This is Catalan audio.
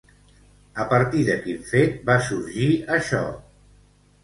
A partir de quin fet va sorgir això?